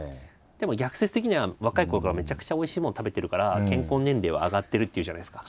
でも逆説的には若いころからめちゃくちゃおいしいもの食べてるから健康年齢は上がってるっていうじゃないですか。